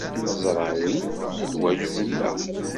Neẓra win d lwajeb-nneɣ.